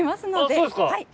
あっそうですか！